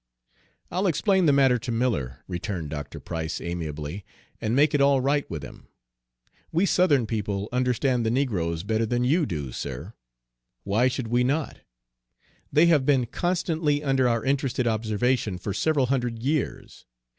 "I'll explain the matter to Miller," returned Dr. Price, amiably, "and make it all right with him. We Southern people understand the negroes better than you do, sir. Why should we not? They have been constantly under our interested observation for several hundred years.